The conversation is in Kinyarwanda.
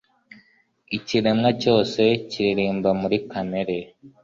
ikiremwa cyose kiririmba muri kamere